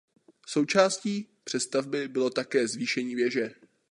Součástí přestavby bylo také zvýšení věže.